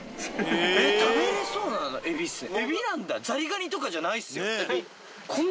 食べれそうなエビっすね。